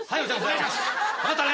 分かったね？